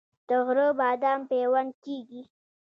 د غره بادام پیوند کیږي؟